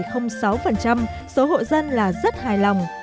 trong đó hai mươi năm sáu số hộ dân là rất hài lòng